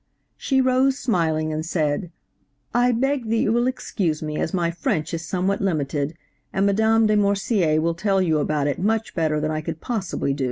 She rose smiling, and said, 'I beg that you will excuse me, as my French is somewhat limited, and Madame de Morsier will tell you about it much better than I could possibly do.'